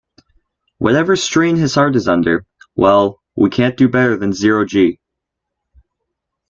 Whatever strain his heart is under, well, we can't do better than zero "g".